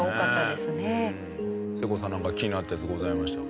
せいこうさんなんか気になったやつございましたか？